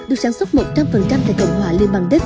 được sản xuất một trăm linh tại cộng hòa liên bang đức